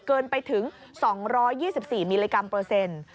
เกินไปถึง๒๒๔มิลลิกรัมเปอร์เซ็นต์